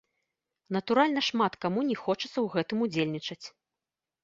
Натуральна шмат каму не хочацца ў гэтым удзельнічаць.